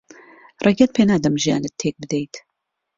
ڕێگەت پێ نادەم ژیانت تێک بدەیت.